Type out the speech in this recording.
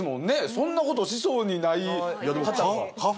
そんなことしそうにない方が。